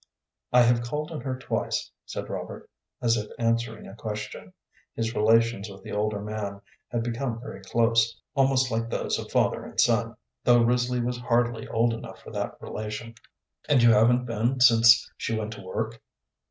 "I have called on her twice," said Robert, as if answering a question. His relations with the older man had become very close, almost like those of father and son, though Risley was hardly old enough for that relation. "And you haven't been since she went to work?"